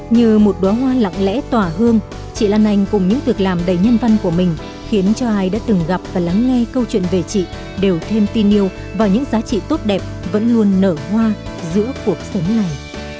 như một đoá hoa lặng lẽ tỏa hương chị lan anh cùng những việc làm đầy nhân văn của mình khiến cho ai đã từng gặp và lắng nghe câu chuyện về chị đều thêm tin yêu và những giá trị tốt đẹp vẫn luôn nở hoa giữa cuộc sống này